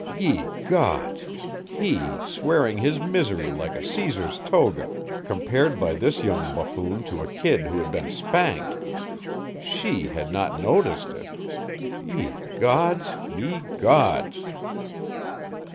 Ye Gods! He, wearing his misery like a Cæsar's toga, compared by this young buffoon to a kid who had been spanked! She had not noticed it. Ye Gods! Ye Gods!